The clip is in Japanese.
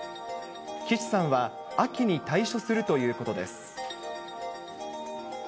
岸さんは秋に退所するということです。